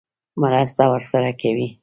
مرسته ورسره کوي.